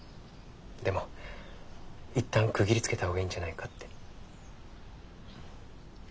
でもいったん区切りつけた方がいいんじゃないかって。